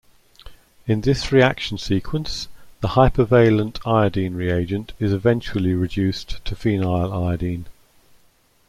In this reaction sequence the hypervalent iodine reagent is eventually reduced to phenyliodine.